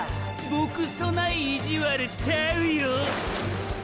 ボクそないイジワルちゃうよ。